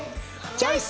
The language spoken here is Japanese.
チョイス！